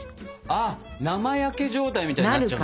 あっ生焼け状態みたいになっちゃうんだ。